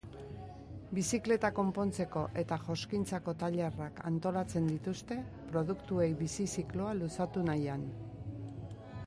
Bizikleta konpontzeko eta joskintzako tailerrak antolatzen dituzte produktuei bizi zikloa luzatu nahian.